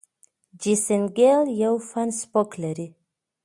جیسن ګیل یو فن سبک لري.